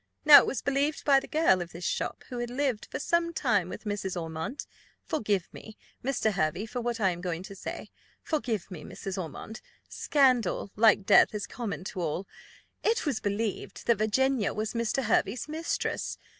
Now it was believed by the girl of this shop, who had lived for some time with Mrs. Ormond Forgive me, Mr. Hervey, for what I am going to say forgive me, Mrs. Ormond scandal, like death, is common to all It was believed that Virginia was Mr. Hervey's mistress.